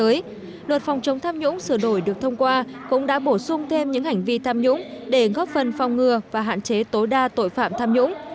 trong luật phòng chống tham nhũng sửa đổi được thông qua cũng đã bổ sung thêm những hành vi tham nhũng để góp phần phòng ngừa và hạn chế tối đa tội phạm tham nhũng